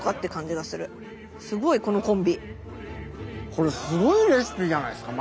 これすごいレシピじゃないですかマジで。